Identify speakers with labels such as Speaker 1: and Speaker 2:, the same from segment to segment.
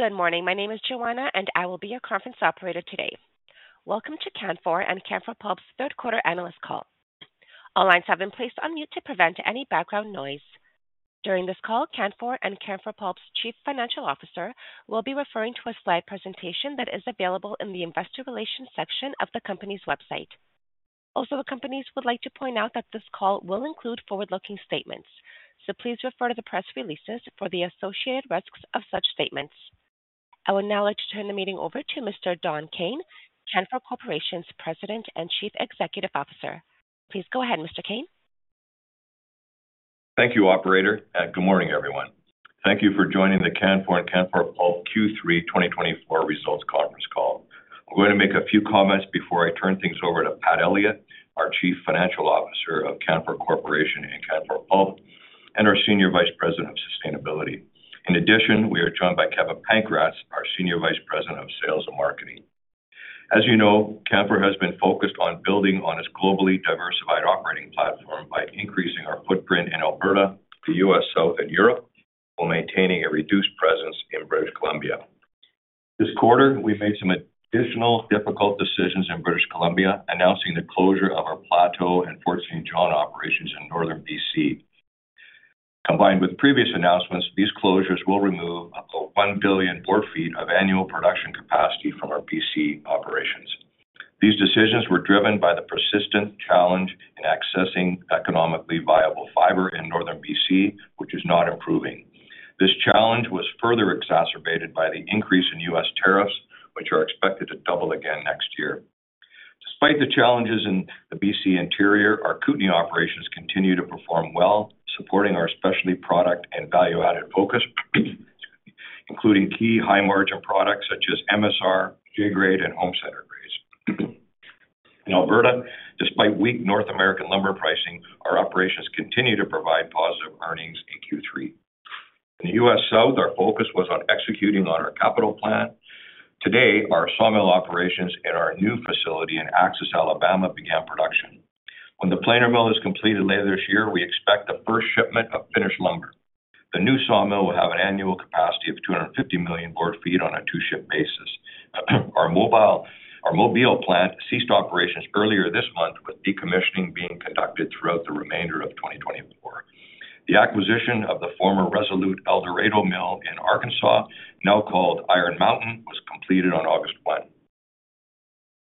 Speaker 1: Good morning. My name is Joanna, and I will be your conference operator today. Welcome to Canfor and Canfor Pulp's third quarter analyst call. All lines have been placed on mute to prevent any background noise. During this call, Canfor and Canfor Pulp's Chief Financial Officer will be referring to a slide presentation that is available in the Investor Relations section of the Company's website. Also, the Companies would like to point out that this call will include forward-looking statements, so please refer to the press releases for the associated risks of such statements. I would now like to turn the meeting over to Mr. Don Kayne, Canfor Corporation's President and Chief Executive Officer. Please go ahead, Mr. Kayne.
Speaker 2: Thank you, operator, and good morning, everyone. Thank you for joining the Canfor and Canfor Pulp Q3 2024 Results Conference Call. I'm going to make a few comments before I turn things over to Pat Elliott, our Chief Financial Officer of Canfor Corporation and Canfor Pulp, and our Senior Vice President of Sustainability. In addition, we are joined by Kevin Pankratz, our Senior Vice President of Sales and Marketing. As you know, Canfor has been focused on building on its globally diversified operating platform by increasing our footprint in Alberta, the U.S. South, and Europe, while maintaining a reduced presence in British Columbia. This quarter, we made some additional difficult decisions in British Columbia, announcing the closure of our Plateau and Fort St. John operations in Northern B.C. Combined with previous announcements, these closures will remove up to one billion board feet of annual production capacity from our B.C. operations. These decisions were driven by the persistent challenge in accessing economically viable fiber in Northern B.C., which is not improving. This challenge was further exacerbated by the increase in U.S. tariffs, which are expected to double again next year. Despite the challenges in the B.C. Interior, our Kootenay operations continue to perform well, supporting our specialty product and value-added focus, excuse me, including key high-margin products such as MSR, J-Grade, and home center grades. In Alberta, despite weak North American lumber pricing, our operations continue to provide positive earnings in Q3. In the U.S. South, our focus was on executing on our capital plan. Today, our sawmill operations in our new facility in Axis, Alabama, began production. When the planer mill is completed later this year, we expect the first shipment of finished lumber. The new sawmill will have an annual capacity of 250 million board feet on a two-shift basis. Our Mobile plant ceased operations earlier this month, with decommissioning being conducted throughout the remainder of 2024. The acquisition of the former Resolute El Dorado mill in Arkansas, now called Iron Mountain, was completed on August 1.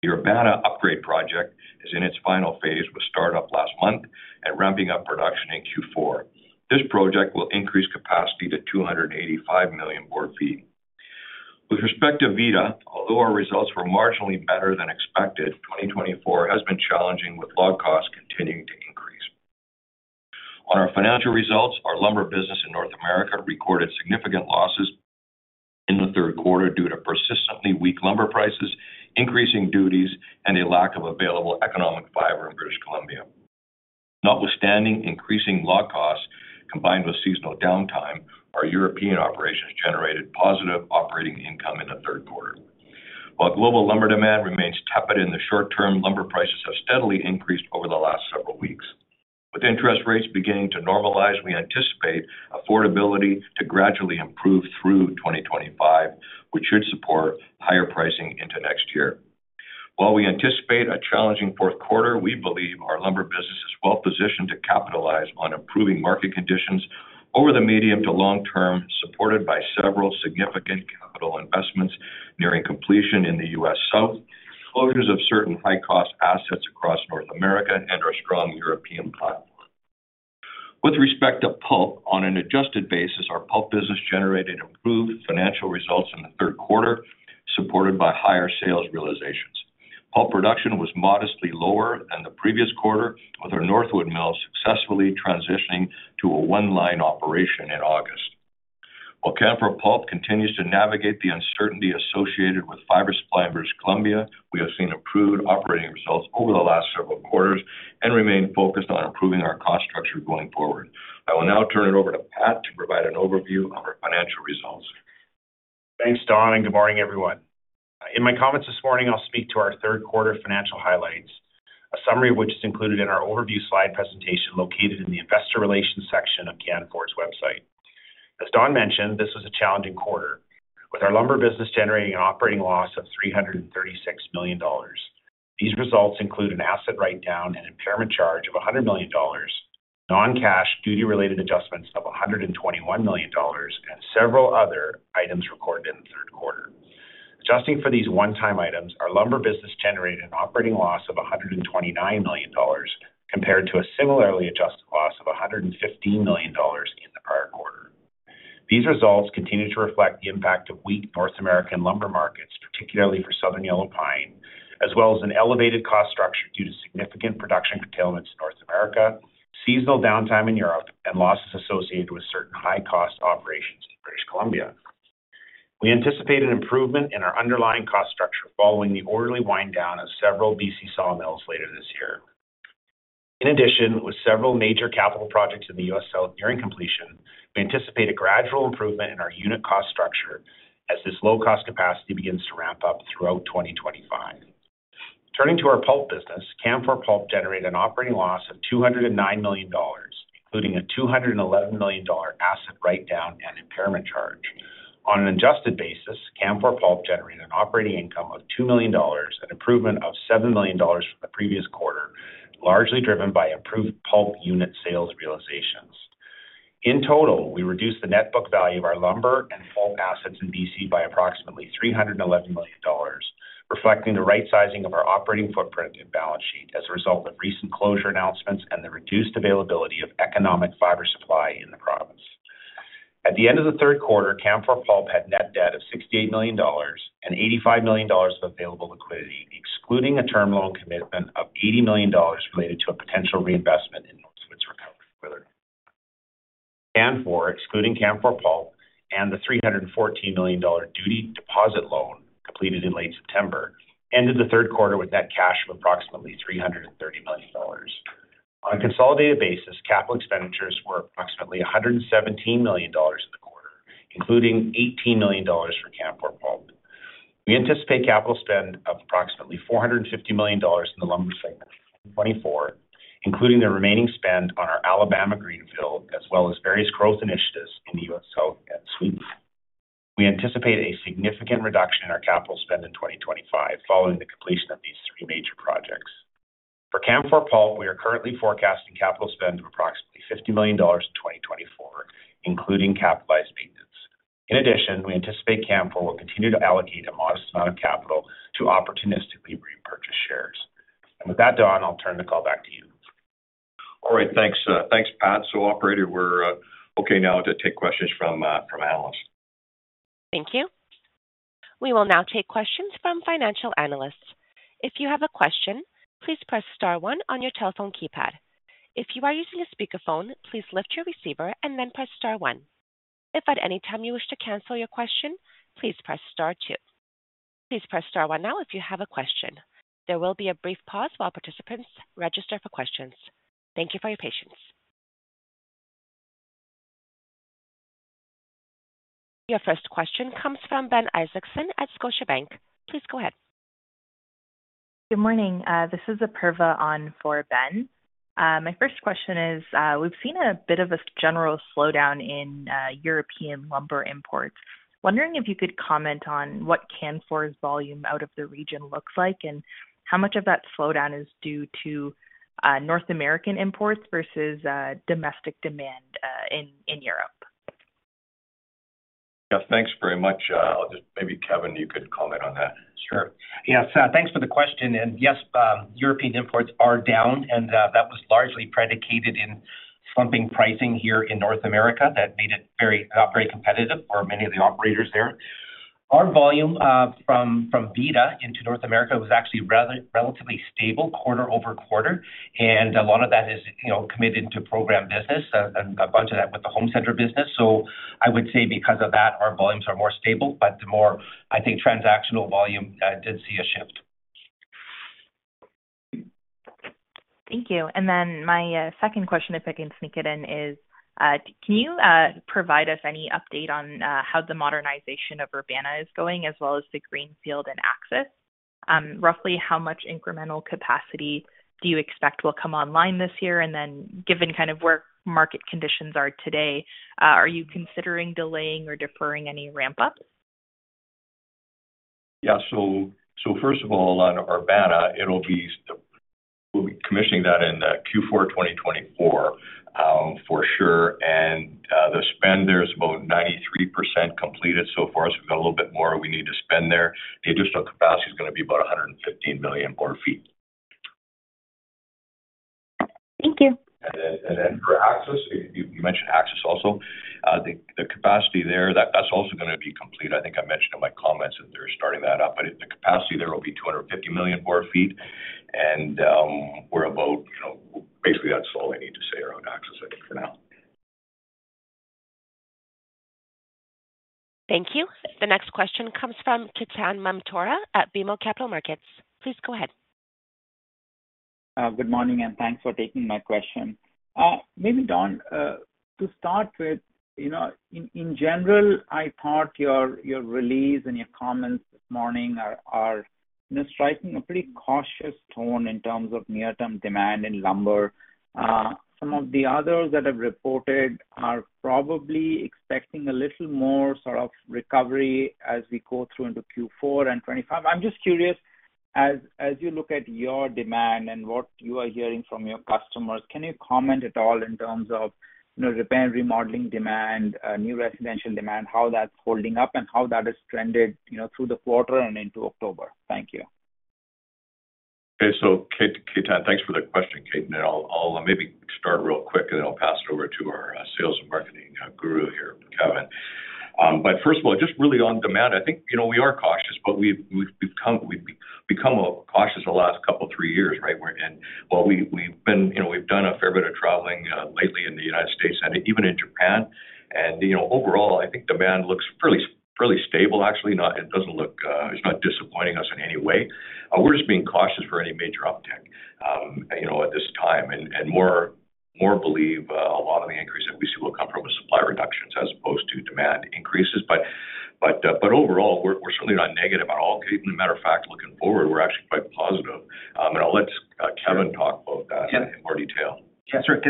Speaker 2: The Urbana upgrade project is in its final phase, with start-up last month and ramping up production in Q4. This project will increase capacity to 285 million board feet. With respect to Vida, although our results were marginally better than expected, 2024 has been challenging, with log costs continuing to increase. On our financial results, our Lumber business in North America recorded significant losses in the third quarter due to persistently weak Lumber prices, increasing duties, and a lack of available economic fiber in British Columbia. Notwithstanding increasing log costs combined with seasonal downtime, our European operations generated positive operating income in the third quarter. While global Lumber demand remains tepid in the short term, Lumber prices have steadily increased over the last several weeks. With interest rates beginning to normalize, we anticipate affordability to gradually improve through 2025, which should support higher pricing into next year. While we anticipate a challenging fourth quarter, we believe our Lumber business is well-positioned to capitalize on improving market conditions over the medium to long term, supported by several significant capital investments nearing completion in the U.S. South, closures of certain high-cost assets across North America, and our strong European platform. With respect to Pulp, on an adjusted basis, our Pulp business generated improved financial results in the third quarter, supported by higher sales realizations. Pulp production was modestly lower than the previous quarter, with our Northwood Mill successfully transitioning to a one-line operation in August. While Canfor Pulp continues to navigate the uncertainty associated with fiber supply in British Columbia, we have seen improved operating results over the last several quarters and remain focused on improving our cost structure going forward. I will now turn it over to Pat to provide an overview of our financial results.
Speaker 3: Thanks, Don, and good morning, everyone. In my comments this morning, I'll speak to our third quarter financial highlights, a summary of which is included in our overview slide presentation, located in the Investor Relations section of Canfor's website. As Don mentioned, this was a challenging quarter, with our Lumber business generating an operating loss of 336 million dollars. These results include an asset write-down and impairment charge of 100 million dollars, non-cash duty-related adjustments of 121 million dollars, and several other items recorded in the third quarter. Adjusting for these one-time items, our Lumber business generated an operating loss of 129 million dollars, compared to a similarly adjusted loss of 115 million dollars in the prior quarter. These results continue to reflect the impact of weak North American Lumber markets, particularly for southern yellow pine, as well as an elevated cost structure due to significant production curtailments in North America, seasonal downtime in Europe, and losses associated with certain high-cost operations in British Columbia. We anticipate an improvement in our underlying cost structure following the orderly wind down of several B.C. sawmills later this year. In addition, with several major capital projects in the U.S. South nearing completion, we anticipate a gradual improvement in our unit cost structure as this low-cost capacity begins to ramp up throughout 2025. Turning to our Pulp business, Canfor Pulp generated an operating loss of 209 million dollars, including a 211 million dollar asset write-down and impairment charge. On an adjusted basis, Canfor Pulp generated an operating income of 2 million dollars, an improvement of 7 million dollars from the previous quarter, largely driven by improved Pulp unit sales realizations. In total, we reduced the net book value of our Lumber and Pulp assets in B.C. by approximately 311 million dollars, reflecting the right sizing of our operating footprint and balance sheet as a result of recent closure announcements and the reduced availability of economic fiber supply in the province. At the end of the third quarter, Canfor Pulp had net debt of 68 million dollars and 85 million dollars of available liquidity, excluding a term loan commitment of 80 million dollars related to a potential reinvestment in Northwood's recovery boiler, excluding Canfor Pulp, and the 314 million dollar duty deposit loan completed in late September, ended the third quarter with net cash of approximately 330 million dollars. On a consolidated basis, capital expenditures were approximately 117 million dollars in the quarter, including 18 million dollars for Canfor Pulp. We anticipate capital spend of approximately 450 million dollars in the Lumber segment in 2024, including the remaining spend on our Alabama greenfield, as well as various growth initiatives in the U.S. South and Sweden. We anticipate a significant reduction in our capital spend in 2025, following the completion of these three major projects. For Canfor Pulp, we are currently forecasting capital spend of approximately 50 million dollars in 2024, including capitalized maintenance. In addition, we anticipate Canfor will continue to allocate a modest amount of capital to opportunistically repurchase shares. And with that, Don, I'll turn the call back to you.
Speaker 2: All right, thanks, Pat. So, Operator, we're okay now to take questions from analysts.
Speaker 1: Thank you. We will now take questions from financial analysts. If you have a question, please press star one on your telephone keypad. If you are using a speakerphone, please lift your receiver and then press star one. If at any time you wish to cancel your question, please press star two. Please press star one now if you have a question. There will be a brief pause while participants register for questions. Thank you for your patience. Your first question comes from Ben Isaacson at Scotiabank. Please go ahead.
Speaker 4: Good morning. This is Apurva on for Ben. My first question is, we've seen a bit of a general slowdown in European lumber imports. Wondering if you could comment on what Canfor's volume out of the region looks like, and how much of that slowdown is due to North American imports versus domestic demand in Europe?
Speaker 2: Yeah, thanks very much. I'll just maybe, Kevin, you could comment on that.
Speaker 5: Sure. Yes, thanks for the question, and yes, European imports are down, and that was largely predicated in slumping pricing here in North America. That made it very, very competitive for many of the operators there. Our volume from Vida into North America was actually relatively stable quarter over quarter, and a lot of that is, you know, committed to program business and a bunch of that with the home center business. So I would say because of that, our volumes are more stable, but the more, I think, transactional volume did see a shift.
Speaker 4: Thank you. And then my second question, if I can sneak it in, is, can you provide us any update on how the modernization of Urbana is going, as well as the greenfield in Axis? Roughly how much incremental capacity do you expect will come online this year? And then, given kind of where market conditions are today, are you considering delaying or deferring any ramp-ups?
Speaker 2: Yeah. So first of all, on Urbana, we'll be commissioning that in Q4 2024, for sure. And the spend there is about 93% completed so far, so we've got a little bit more we need to spend there. The additional capacity is gonna be about 115 million board feet.
Speaker 4: Thank you.
Speaker 2: And then for Axis, you mentioned Axis also. The capacity there, that's also gonna be complete. I think I mentioned in my comments that they're starting that up, but the capacity there will be 250 million board feet and we're about, you know... Basically, that's all I need to say around Axis, I think, for now.
Speaker 1: Thank you. The next question comes from Ketan Mamtora at BMO Capital Markets. Please go ahead.
Speaker 6: Good morning, and thanks for taking my question. Maybe, Don, to start with, you know, in general, I thought your release and your comments this morning are, you know, striking a pretty cautious tone in terms of near-term demand in Lumber. Some of the others that have reported are probably expecting a little more sort of recovery as we go through into Q4 and twenty twenty-five. I'm just curious, as you look at your demand and what you are hearing from your customers, can you comment at all in terms of, you know, repair and remodeling demand, new residential demand, how that's holding up and how that has trended, you know, through the quarter and into October? Thank you.
Speaker 2: Okay. So, Ketan, thanks for the question, Ketan. I'll maybe start real quick, and then I'll pass it over to our sales and marketing guru here, Kevin. But first of all, just really on demand, I think, you know, we are cautious, but we've become cautious the last couple three years, right? And while we've been, you know, we've done a fair bit of traveling lately in the United States and even in Japan, and, you know, overall, I think demand looks fairly stable, actually. No, it doesn't look, it's not disappointing us in any way. We're just being cautious for any major uptick, you know, at this time, and moreover, we believe a lot of the increase that we see will be demand increases. But overall, we're certainly not negative at all, Ketan. As a matter of fact, looking forward, we're actually quite positive. And I'll let Kevin talk about that in more detail.
Speaker 5: Yeah, sure.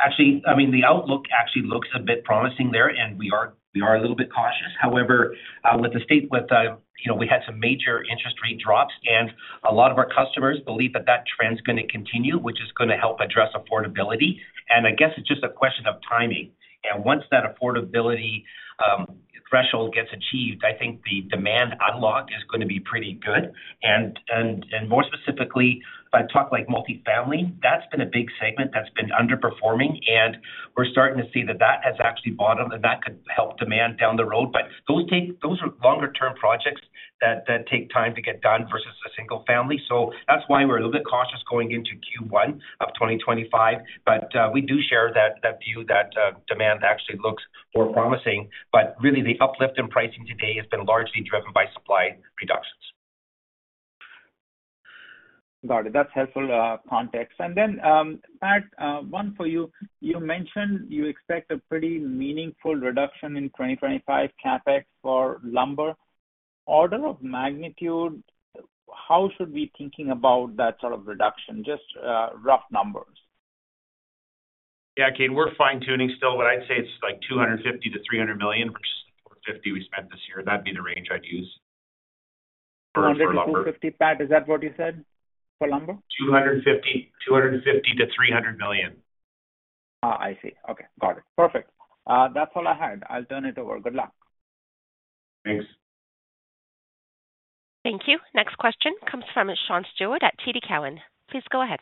Speaker 5: Actually, I mean, the outlook actually looks a bit promising there, and we are a little bit cautious. However, with, you know, we had some major interest rate drops, and a lot of our customers believe that trend is gonna continue, which is gonna help address affordability. And I guess it's just a question of timing. And once that affordability threshold gets achieved, I think the demand unlock is gonna be pretty good. And more specifically, if I talk like multifamily, that's been a big segment that's been underperforming, and we're starting to see that has actually bottomed, and that could help demand down the road. But those are longer term projects that take time to get done versus a single-family. So that's why we're a little bit cautious going into Q1 of 2025. But, we do share that view that demand actually looks more promising. But really, the uplift in pricing today has been largely driven by supply reductions.
Speaker 6: Got it. That's helpful context. And then, Pat, one for you. You mentioned you expect a pretty meaningful reduction in 2025 CapEx for Lumber. Order of magnitude, how should we be thinking about that sort of reduction? Just rough numbers.
Speaker 3: Yeah, Ketan, we're fine-tuning still, but I'd say it's like 250 million-300 million versus 450 million we spent this year. That'd be the range I'd use for Lumber.
Speaker 6: 250 million, Pat, is that what you said for Lumber?
Speaker 3: 250 million-300 million.
Speaker 6: I see. Okay, got it. Perfect. That's all I had. I'll turn it over. Good luck.
Speaker 2: Thanks.
Speaker 1: Thank you. Next question comes from Sean Steuart at TD Cowen. Please go ahead.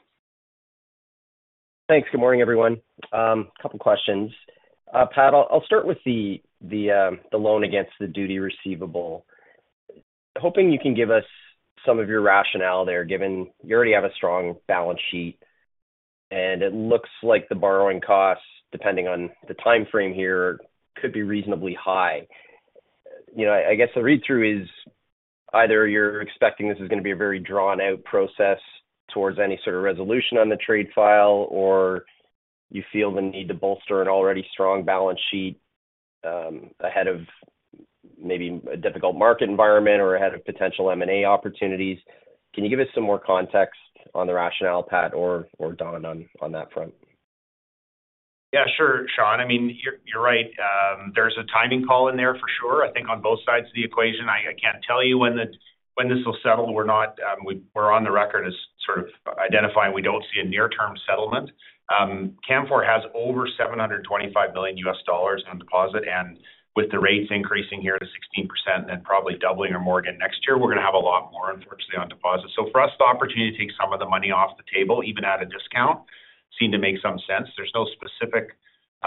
Speaker 7: Thanks. Good morning, everyone. Couple questions. Pat, I'll start with the loan against the duty receivable. Hoping you can give us some of your rationale there, given you already have a strong balance sheet, and it looks like the borrowing costs, depending on the time frame here, could be reasonably high. You know, I guess the read-through is either you're expecting this is gonna be a very drawn-out process towards any sort of resolution on the trade file, or you feel the need to bolster an already strong balance sheet, ahead of maybe a difficult market environment or ahead of potential M&A opportunities. Can you give us some more context on the rationale, Pat or Don, on that front?
Speaker 3: Yeah, sure, Sean. I mean, you're right. There's a timing call in there for sure. I think on both sides of the equation, I can't tell you when this will settle. We're not, we're on the record as sort of identifying we don't see a near-term settlement. Canfor has over $725 million on deposit, and with the rates increasing here to 16% and then probably doubling our duty next year, we're gonna have a lot more, unfortunately, on deposit. So for us, the opportunity to take some of the money off the table, even at a discount, seemed to make some sense. There's no specific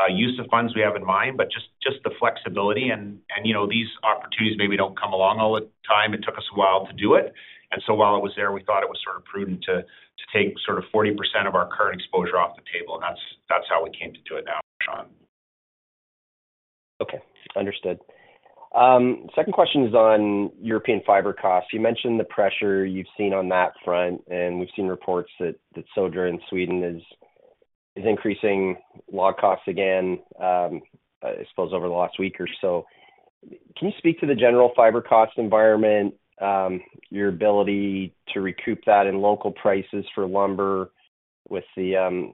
Speaker 3: use of funds we have in mind, but just the flexibility and, you know, these opportunities maybe don't come along all the time. It took us a while to do it. And so while it was there, we thought it was sort of prudent to take sort of 40% of our current exposure off the table, and that's how we came to do it now, Sean.
Speaker 7: Okay, understood. Second question is on European fiber costs. You mentioned the pressure you've seen on that front, and we've seen reports that Södra in Sweden is increasing log costs again, I suppose over the last week or so. Can you speak to the general fiber cost environment, your ability to recoup that in local prices for Lumber with the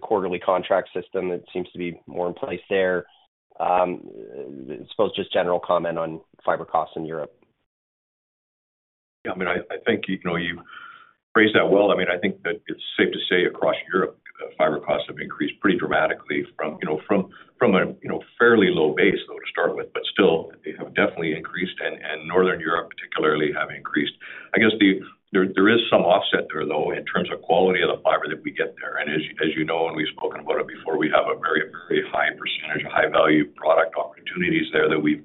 Speaker 7: quarterly contract system that seems to be more in place there? I suppose just general comment on fiber costs in Europe.
Speaker 2: Yeah, I mean, I think, you know, you've phrased that well. I mean, I think that it's safe to say across Europe, fiber costs have increased pretty dramatically from, you know, from a fairly low base, though, to start with, but still, they have definitely increased, and Northern Europe particularly has increased. I guess there is some offset there, though, in terms of quality of the fiber that we get there. And as you know, and we've spoken about it before, we have a very high percentage of high-value product opportunities there that we've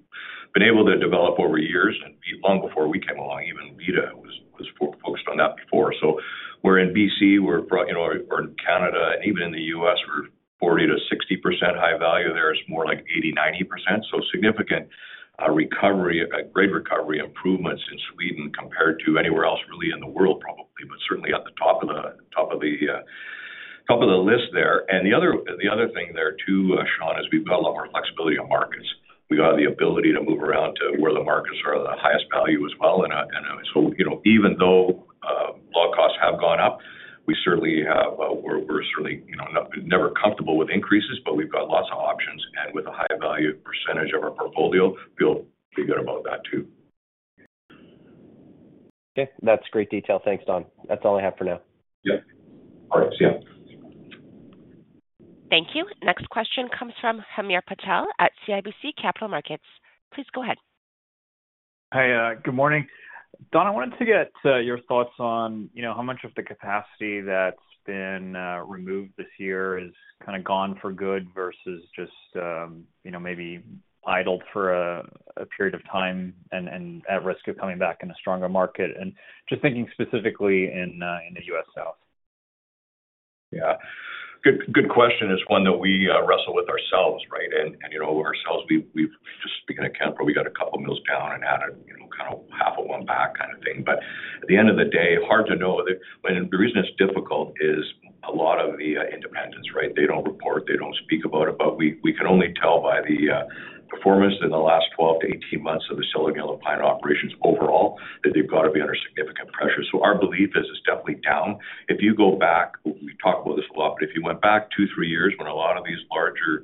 Speaker 2: been able to develop over years and long before we came along. Even Vida was focused on that before. So we're in B.C., we're, you know, in Canada, and even in the U.S., we're 40%-60% high value. There is more like 80%-90%. So significant recovery, a great recovery, improvements in Sweden compared to anywhere else really in the world, probably, but certainly at the top of the list there. And the other thing there, too, Sean, is we've got a lot more flexibility on markets. We've got the ability to move around to where the markets are the highest value as well. And so, you know, even though log costs have gone up, we're certainly, you know, not never comfortable with increases, but we've got lots of options, and with a high value percentage of our portfolio, feel pretty good about that too.
Speaker 7: Okay, that's great detail. Thanks, Don. That's all I have for now.
Speaker 2: Yep. All right, see you.
Speaker 1: Thank you. Next question comes from Hamir Patel at CIBC Capital Markets. Please go ahead.
Speaker 8: Hi, good morning. Don, I wanted to get your thoughts on, you know, how much of the capacity that's been removed this year is kind of gone for good versus just, you know, maybe idled for a period of time and at risk of coming back in a stronger market, and just thinking specifically in the U.S. South.
Speaker 2: Yeah. Good, good question. It's one that we wrestle with ourselves, right? And you know, ourselves, we've speaking of Canfor, we got a couple mills down and added, you know, kind of half of one back kind of thing. But at the end of the day, hard to know whether, and the reason it's difficult is a lot of the independents, right? They don't report, they don't speak about it, but we can only tell by the performance in the last 12-18 months of the Southern Yellow Pine operations overall, that they've got to be under significant pressure. So our belief is it's definitely down. If you go back, we talk about this a lot, but if you went back two, three years, when a lot of these larger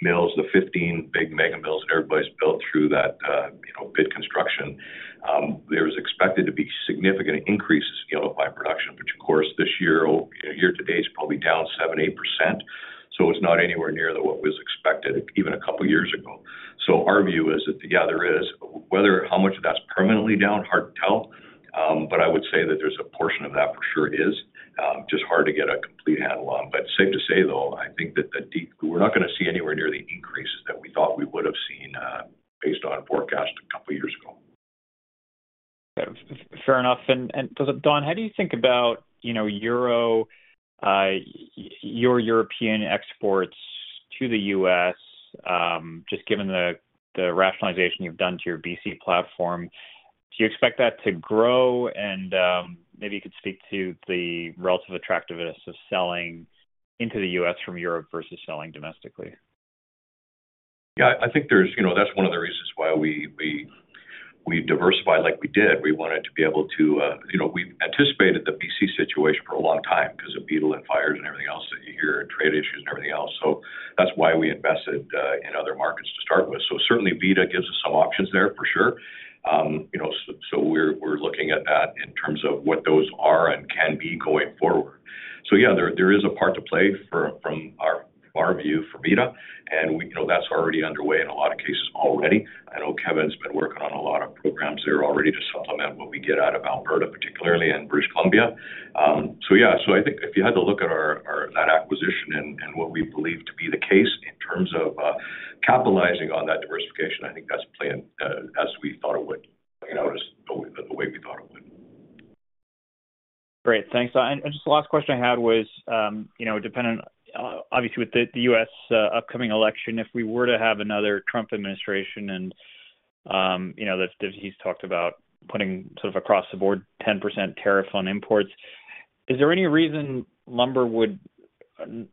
Speaker 2: mills, the 15 big mega mills that everybody's built through that, you know, greenfield construction, there is expected to be significant increases in yellow pine production, which, of course, this year, year to date, is probably down 7%-8%. So it's not anywhere near what was expected even a couple of years ago. So our view is that, yeah, there is. Whether how much of that's permanently down, hard to tell, but I would say that there's a portion of that for sure is, just hard to get a complete handle on. But safe to say, though, I think that we're not going to see anywhere near the increases that we thought we would have seen, based on a forecast a couple of years ago.
Speaker 8: Fair enough. And Don, how do you think about, you know, your European exports to the U.S., just given the rationalization you've done to your B.C. platform, do you expect that to grow? And maybe you could speak to the relative attractiveness of selling into the U.S. from Europe versus selling domestically.
Speaker 2: Yeah, I think there's. You know, that's one of the reasons why we diversified like we did. We wanted to be able to, you know, we anticipated the B.C. situation for a long time because of beetle and fires and everything else that you hear, and trade issues and everything else. So that's why we invested in other markets to start with. So certainly, Vida gives us some options there, for sure. You know, so we're looking at that in terms of what those are and can be going forward. So yeah, there is a part to play for, from our view, for Vida, and we, you know, that's already underway in a lot of cases already. I know Kevin's been working on a lot of programs there already to supplement what we get out of Alberta, particularly in British Columbia. So yeah, so I think if you had to look at our that acquisition and what we believe to be the case in terms of capitalizing on that diversification, I think that's playing as we thought it would, you know, just the way we thought it would.
Speaker 8: Great. Thanks. And just the last question I had was, you know, dependent, obviously, with the, the U.S., upcoming election, if we were to have another Trump administration and, you know, that he's talked about putting sort of across the board 10% tariff on imports, is there any reason Lumber would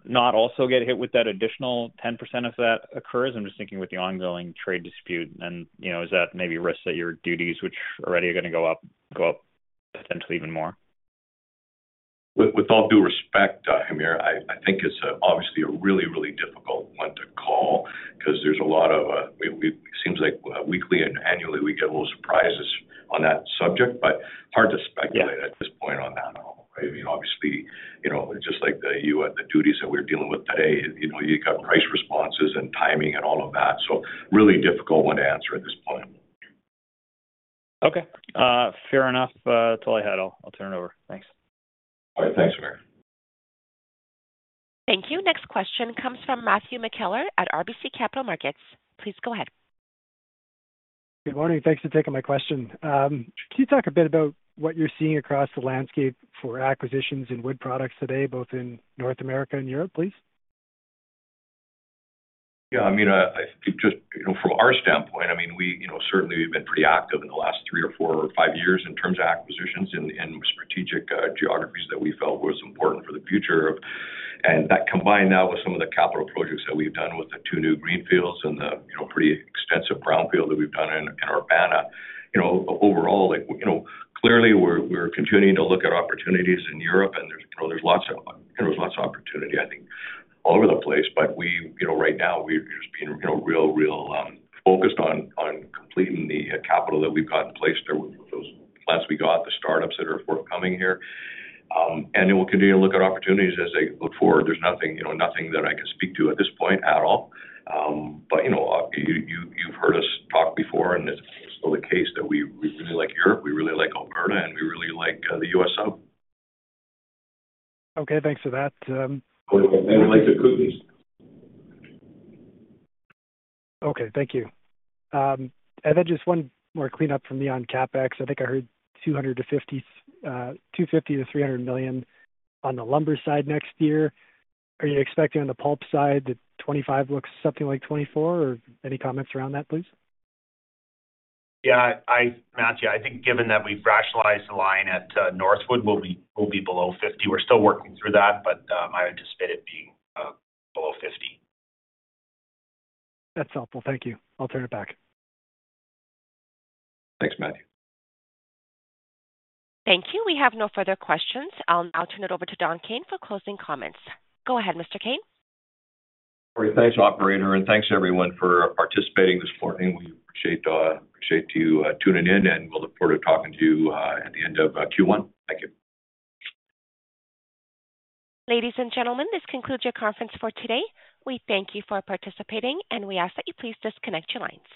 Speaker 8: not also get hit with that additional 10% if that occurs? I'm just thinking with the ongoing trade dispute and, you know, is that maybe a risk that your duties, which already are going to go up, go up potentially even more?
Speaker 2: With all due respect, Hamir, I think it's obviously a really, really difficult one to call because there's a lot of it. It seems like weekly and annually we get a little surprises on that subject, but hard to speculate.
Speaker 8: Yeah.
Speaker 2: At this point on that one. I mean, obviously, you know, just like the U.S., the duties that we're dealing with today, you know, you got price responses and timing and all of that. So really difficult one to answer at this point.
Speaker 8: Okay, fair enough. That's all I had. I'll turn it over. Thanks.
Speaker 2: All right. Thanks, Hamir.
Speaker 1: Thank you. Next question comes from Matthew McKellar at RBC Capital Markets. Please go ahead.
Speaker 9: Good morning. Thanks for taking my question. Can you talk a bit about what you're seeing across the landscape for acquisitions in wood products today, both in North America and Europe, please?
Speaker 2: Yeah, I mean, I think just, you know, from our standpoint, I mean, we, you know, certainly we've been pretty active in the last three or four or five years in terms of acquisitions and strategic geographies that we felt was important for the future, and that combined now with some of the capital projects that we've done with the two new greenfields and the, you know, pretty extensive brownfield that we've done in Urbana. You know, overall, like, you know, clearly, we're continuing to look at opportunities in Europe, and there's, you know, lots of opportunity, I think, all over the place, but we, you know, right now we've just been, you know, real focused on completing the capital that we've got in place there, with those plants we got, the startups that are forthcoming here. And then we'll continue to look at opportunities as they look forward. There's nothing, you know, nothing that I can speak to at this point at all. But, you know, you've heard us talk before, and it's still the case that we really like Europe, we really like Alberta, and we really like the U.S. South.
Speaker 9: Okay, thanks for that.
Speaker 2: We like the color.
Speaker 9: Okay, thank you. I have just one more cleanup for me on CapEx. I think I heard 250 million-300 million on the Lumber side next year. Are you expecting on the Pulp side that 2025 looks something like 2024, or any comments around that, please?
Speaker 3: Yeah, I, Matthew, I think given that we've rationalized the line at Northwood, we'll be below 50 million. We're still working through that, but I would anticipate it being below 50 million.
Speaker 9: That's helpful. Thank you. I'll turn it back.
Speaker 2: Thanks, Matthew.
Speaker 1: Thank you. We have no further questions. I'll now turn it over to Don Kayne for closing comments. Go ahead, Mr. Kayne.
Speaker 2: Thanks, Operator, and thanks everyone for participating this morning. We appreciate you tuning in, and we'll look forward to talking to you at the end of Q1. Thank you.
Speaker 1: Ladies and gentlemen, this concludes your conference for today. We thank you for participating, and we ask that you please disconnect your lines.